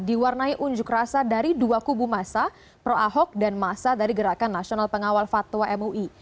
diwarnai unjuk rasa dari dua kubu masa pro ahok dan masa dari gerakan nasional pengawal fatwa mui